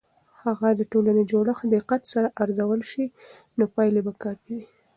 که د ټولنې جوړښت دقت سره ارزول سي، نو پایلې به کافي وي.